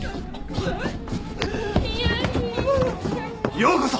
ようこそ！